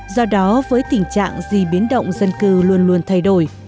do đó với tình trạng gì biến động dân cư luôn luôn thay đổi